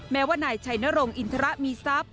แม้ว่านายชัยนรงอินทรมีทรัพย์